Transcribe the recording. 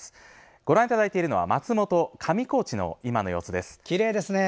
ご覧いただいているのは上高地の今の様子です。